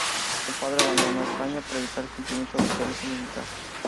Su padre abandonó España para evitar el cumplimiento del servicio militar.